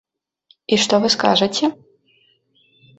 І што вы скажаце?